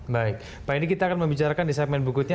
baik pak ini kita akan membicarakan di segmen berikutnya